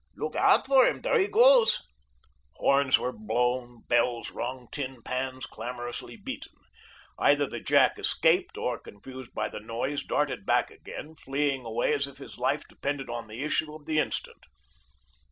"Look out for him, there he goes." Horns were blown, bells rung, tin pans clamorously beaten. Either the jack escaped, or confused by the noise, darted back again, fleeing away as if his life depended on the issue of the instant.